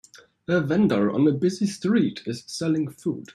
A vendor on a busy street is selling food.